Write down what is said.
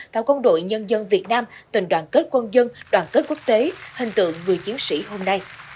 và quân đội nhân dân việt nam tình đoàn kết quân dân đoàn kết quốc tế hình tượng người chiến sĩ hôm nay